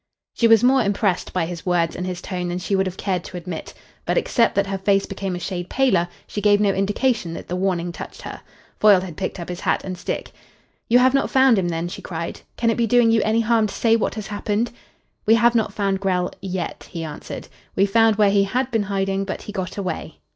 She was more impressed by his words and his tone than she would have cared to admit. But except that her face became a shade paler, she gave no indication that the warning touched her. Foyle had picked up his hat and stick. "You have not found him, then?" she cried. "Can it be doing you any harm to say what has happened?" "We have not found Grell yet," he answered. "We found where he had been hiding, but he got away."